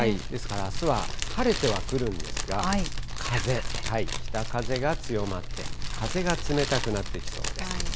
ですから、あすは晴れてはくるんですが、風、北風が強まって、風が冷たくなってきそうです。